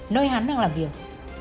nơi hắn đang làm việc